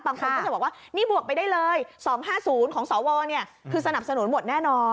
บางคนก็จะบอกว่านี่บวกไปได้เลย๒๕๐ของสวคือสนับสนุนหมดแน่นอน